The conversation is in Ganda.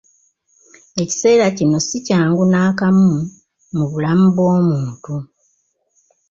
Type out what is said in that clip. Ekiseera kino si kyangu n'akamu mu bulamu bw'omuntu.